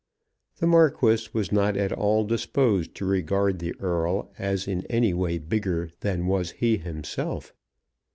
The Marquis was not at all disposed to regard the Earl as in any way bigger than was he himself.